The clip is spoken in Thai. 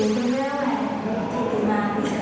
แม่เข็มหักสู้ที่ไม่เคยก่อนให้รอเทาะ